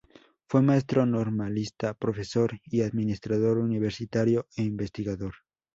Fue maestro normalista, profesor y administrador universitario, e investigador.